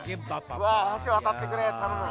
うわ橋渡ってくれ頼む。